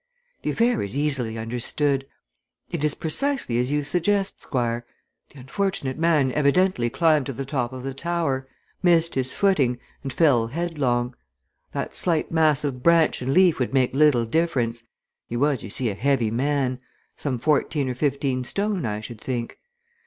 "The affair is easily understood. It is precisely as you suggest, Squire. The unfortunate man evidently climbed to the top of the tower, missed his footing, and fell headlong. That slight mass of branch and leaf would make little difference he was, you see, a heavy man some fourteen or fifteen stone, I should think.